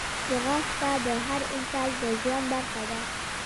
ځغاسته د هر انسان د ژوند برخه ده